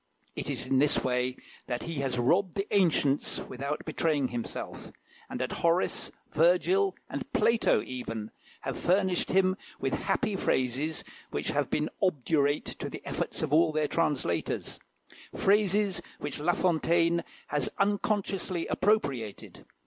It is in this way that he has robbed the ancients without betraying himself, and that Horace, Virgil, and Plato, even, have furnished him with happy phrases, which have been obdurate to the efforts of all their translators; phrases which La Fontaine has unconsciously appropriated.